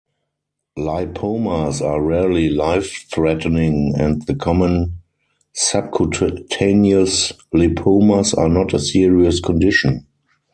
Lipomas are rarely life-threatening and the common subcutaneous lipomas are not a serious condition.